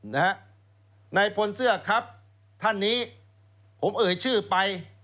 นายพลเสื้อครับท่านนี้ผมเอ่ยชื่อไป